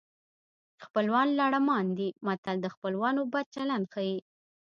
خپلوان لړمان دي متل د خپلوانو بد چلند ښيي